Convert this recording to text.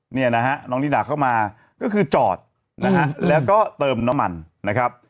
เนี่ยนะฮะน้องนิดาเข้ามาก็คือจอดนะฮะแล้วก็เติมน้ำมันนะครับ